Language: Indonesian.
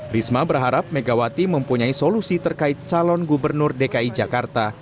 risma berharap megawati mempunyai solusi terkait calon gubernur dki jakarta